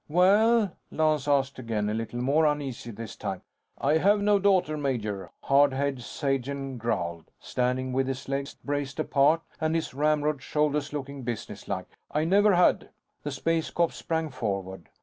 "Well?" Lance asked again, a little more uneasy this time. "I have no daughter, major," Hard Head Sagen growled, standing with his legs braced apart and his ramrod shoulders looking businesslike. "I never have had." The space cops sprang forward.